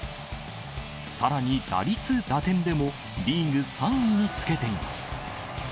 さらに、打率、打点でもリーグ３位につけています。